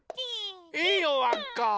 いいよわっか！